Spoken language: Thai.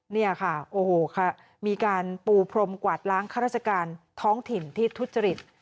นี่ค่ะโอ้โหมีการปูพรมกวาดล้างข้าราชการท้องถิ่นที่ทุจริต